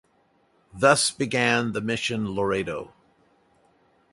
Thus began the Mission Loreto.